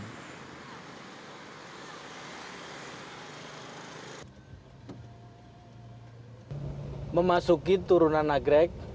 selain itu kereta itu juga berada di sebuah jalan yang diperlukan untuk menahan kecepatan dan menurunkan kecepatan